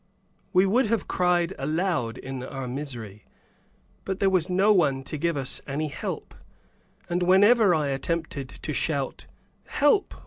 We would have cried aloud in our misery but there was no one to give us any help, and whenever I attempted to shout, "Help!